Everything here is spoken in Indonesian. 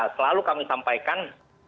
selalu kami sampaikan